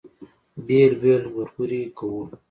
بېل بېل ګورګورې کوو.